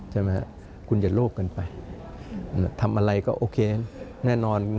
ใช่ไหมครับคุณอย่าโลกเกินไปทำอะไรก็โอเคแน่นอน